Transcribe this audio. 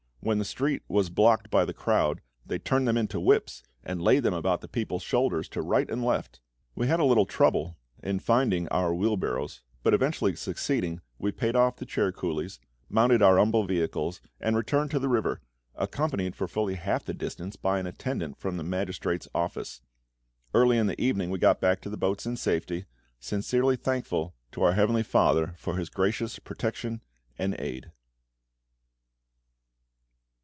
When the street was blocked by the crowd, they turned them into whips, and laid them about the people's shoulders to right and left! We had a little trouble in finding our wheel barrows; but eventually succeeding, we paid off the chair coolies, mounted our humble vehicles, and returned to the river, accompanied for fully half the distance by an attendant from the magistrate's office. Early in the evening we got back to the boats in safety, sincerely thankful to our Heavenly FATHER for His gracious protection and aid.